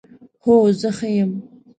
هو، زه ښه یم